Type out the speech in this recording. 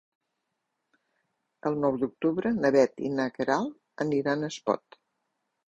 El nou d'octubre na Bet i na Queralt aniran a Espot.